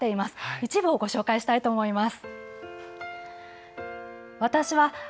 一部をご紹介したいと思います。